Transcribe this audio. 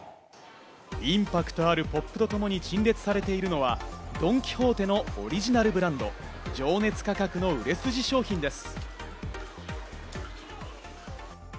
インパクトあるポップとともに陳列されているのは、ドン・キホーテのオリジナルブランド「情熱価格」の売れ筋商品です。